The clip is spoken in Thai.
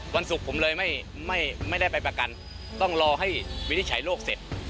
วันศุกร์ผมเลยไม่ไม่ไม่ได้ไปประกันต้องรอให้วิทย์ใช้โลกเสร็จ